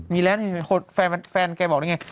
มีแล้วแฟนแกบอกได้ไง